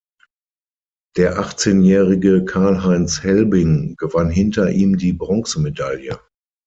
Der Achtzehnjährige Karl-Heinz Helbing gewann hinter ihm die Bronzemedaille.